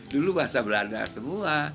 dulu bahasa belanda semua